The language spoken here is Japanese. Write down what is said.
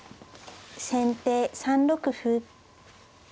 先手３六歩。